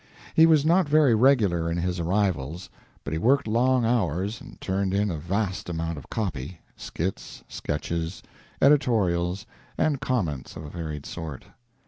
He was not very regular in his arrivals, but he worked long hours and turned in a vast amount of "copy" skits, sketches, editorials, and comments of a varied sort.